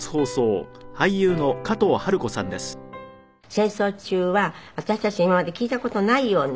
戦争中は私たち今まで聞いた事ないような。